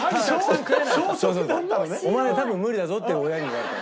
「お前多分無理だぞ」って親に言われた。